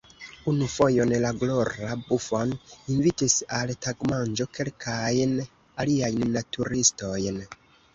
Unu fojon la glora Buffon invitis al tagmanĝo kelkajn aliajn naturistojn.